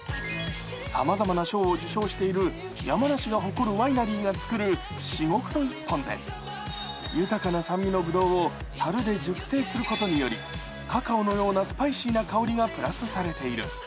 さまざまな賞を受賞している山梨が誇るワイナリーが造る至極の一本で豊かな酸味のぶどうをたるで熟成することによりカカオのようなスパイシーな香りがプラスされている。